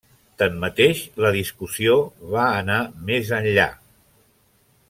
Tanmateix, la discussió va anar més enllà.